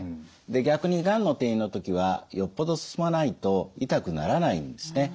で逆にがんの転移の時はよっぽど進まないと痛くならないんですね。